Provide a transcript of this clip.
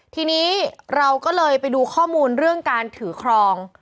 ทีนี้เราก็เลยไปดูข้อมูลเรื่องการถือครอง